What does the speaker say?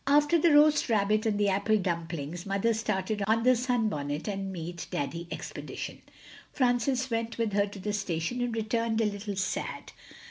After the roast rabbit and the apple dumplings Mother started on the sunbonnet and meet Daddy expedition. Francis went with her to the station and returned a little sad.